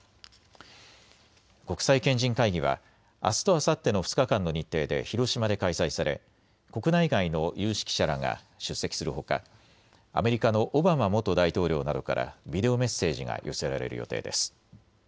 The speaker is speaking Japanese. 国際賢人会議はあすとあさっての２日間の日程で広島で開催され国内外の有識者らが出席するほかアメリカのオバマ元大統領などからビデオメッセージが寄せられる予定です。